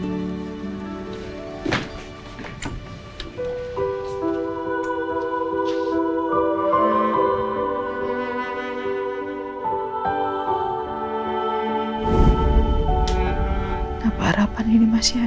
kenapa harapan ini masih ada